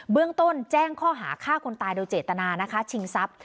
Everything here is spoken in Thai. เรื่องต้นแจ้งข้อหาฆ่าคนตายโดยเจตนานะคะชิงทรัพย์